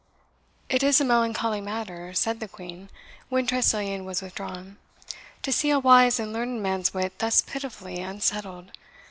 "It is a melancholy matter," said the Queen, when Tressilian was withdrawn, "to see a wise and learned man's wit thus pitifully unsettled.